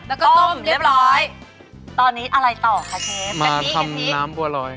แล้วก็ต้มเรียบร้อยตอนนี้อะไรต่อค่ะเชฟกะทิเนี่ยพี่มาทำน้ำบัวรอย